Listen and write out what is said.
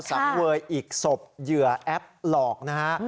สังเวยอีกศพเหยื่อแอปหลอกนะฮะ